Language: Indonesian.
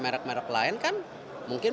merak merak lain kan mungkin